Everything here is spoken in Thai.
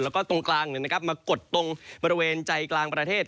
แล้วก็ตรงกลางมากดตรงบริเวณใจกลางประเทศ